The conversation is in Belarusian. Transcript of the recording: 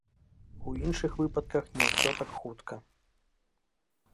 У іншых выпадках не ўсё так хутка.